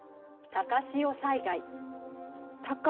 高潮災害？